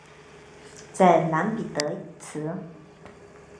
在蓝彼得一词。